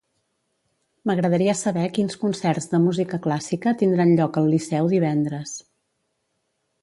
M'agradaria saber quins concerts de música clàssica tindran lloc al Liceu divendres.